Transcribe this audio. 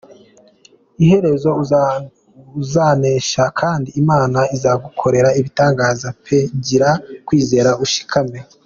Iherezo uzanesha kandi Imana izagukorera ibitangaza pe! Gira kwizera ushikame.